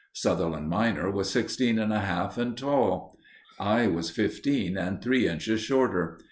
Sutherland minor was sixteen and a half and tall; I was fifteen, and three inches shorter.